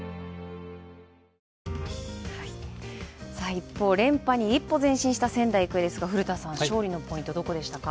一方、連覇に一歩前進した仙台育英ですが、勝利はポイントはどこでしたか？